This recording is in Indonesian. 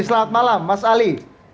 selamat malam mas ali